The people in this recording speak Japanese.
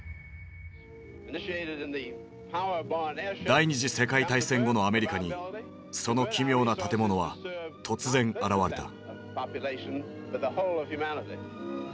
第２次世界大戦後のアメリカにその奇妙な建物は突然現れた。